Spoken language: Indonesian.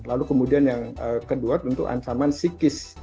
lalu kemudian yang kedua tentu ancaman psikis